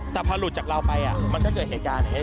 แต่พอหลุดจากเราไปมันก็เกิดเหตุการณ์